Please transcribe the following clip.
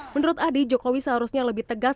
menurut adi jokowi seharusnya lebih tegas